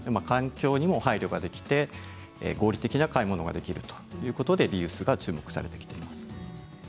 環境にも配慮ができて合理的な買い物ができるということでリユースが注目されてきています。